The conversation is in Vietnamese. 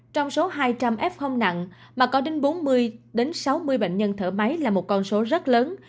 trong số hai trăm linh f nặng mà có đến bốn mươi sáu mươi bệnh nhân thở máy là một con số rất lớn